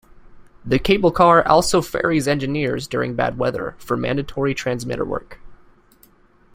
The cable car also ferries engineers during bad weather, for mandatory transmitter work.